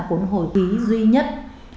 cuốn hồi ký duy nhất